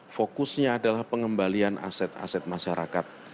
fokusnya adalah pengembalian aset aset masyarakat